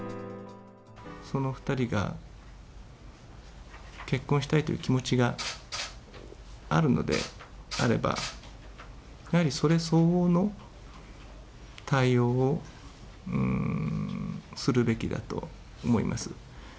その２人が結婚したいという気持ちがあるのであれば、やはりそれ相応の対応をするべきだと思います。